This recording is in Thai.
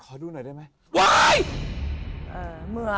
ขอดูหน่อยได้ไหม